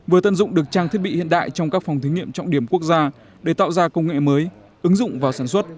vừa tận dụng được trang thiết bị hiện đại trong các phòng thí nghiệm trọng điểm quốc gia để tạo ra công nghệ mới ứng dụng vào sản xuất